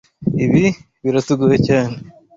Ibi biratugoye cyane.